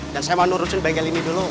dan saya mau nurusin bengkel ini dulu